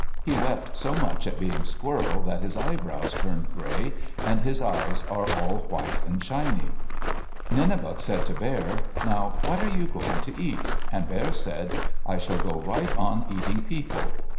He wept so much at being Squirrel that his eyebrows turned gray, and his eyes are all white and shiny. Nenebuc said to Bear, "Now what are you going to eat?" and Bear said, "I shall go right on eating people."